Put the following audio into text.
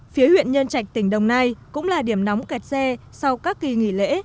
phía huyện nhân trạch tỉnh đồng nai cũng là điểm nóng kẹt xe sau các kỳ nghỉ lễ